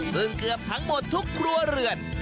ซึ่งเกือบทั้งหมดทุกครัวเรือน